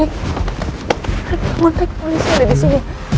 rick rick bangun rick polisi ada disini